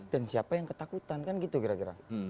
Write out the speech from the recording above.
dan siapa yang ketakutan kan gitu kira kira